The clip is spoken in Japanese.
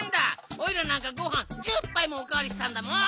おいらなんかごはん１０ぱいもおかわりしたんだもん！